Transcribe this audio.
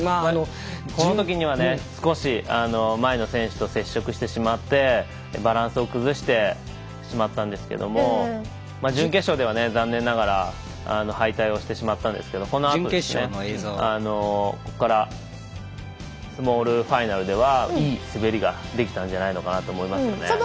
このときには少し前の選手と接触してしまってバランスを崩してしまったんですけれど準決勝では残念ながら敗退をしてしまったんですがそのあと、ここからスモールファイナルではいい滑りができたんじゃないのかなと思いますね。